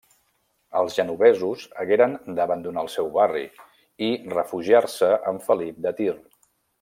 Els genovesos hagueren d'abandonar el seu barri i refugiar-se amb Felip de Tir.